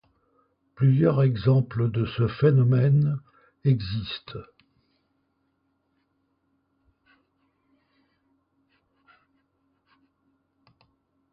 Plusieurs exemples de ce phénomène existent.